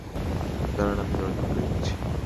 দাঁড়ান, আমি দরজা খুলে দিচ্ছি।